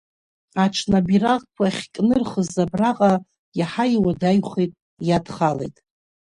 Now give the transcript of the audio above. Аҽны абираҟқәа ахькнырхыз абраҟа иаҳа иуадаҩхеит, иадхалеит.